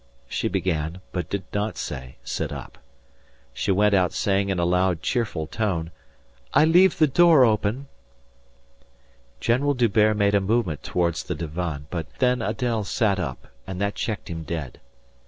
she began, but did not say "sit up." She went out saying in a loud, cheerful tone: "I leave the door open." General D'Hubert made a movement towards the divan, but then Adèle sat up and that checked him dead.